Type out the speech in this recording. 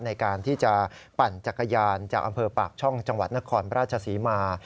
ในการที่จะปั่นจักรยานจากอำเภอปากช่องจังหวัดนครราชศรีมา